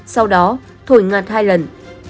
sau đó thổi ngạt hai lần